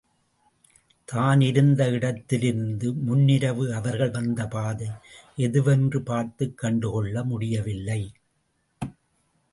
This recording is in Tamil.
தான் இருந்த இடத்திலிருந்து முன்னிரவு அவர்கள் வந்த பாதை எதுவென்று பார்த்துக் கண்டுகொள்ள முடியவில்லை.